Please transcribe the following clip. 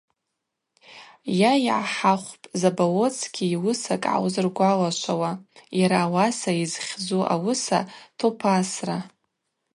Йа йгӏахӏахвпӏ Заболоцкий йуысакӏ гӏаузыргвалашвауа, йара ауаса йзхьзу ауыса Топасра.